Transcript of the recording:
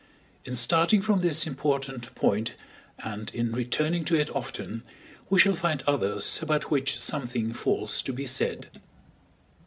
In starting from this important point and in returning to it often, we shall find others about which something falls to be said.